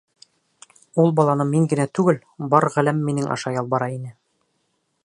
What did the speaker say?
Ул баланы мин генә түгел, бар ғаләм минең аша ялбара ине.